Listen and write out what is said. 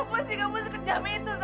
kenapa sih kamu sekejam itu sama lia zed